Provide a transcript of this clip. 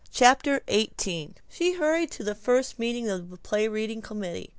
CHAPTER XVIII I SHE hurried to the first meeting of the play reading committee.